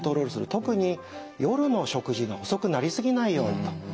特に夜の食事が遅くなり過ぎないようにということ。